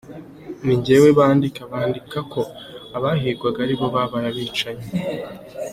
Ni njyewe bandika , bandika ko abahigwaga ari bo babaye abicanyi”.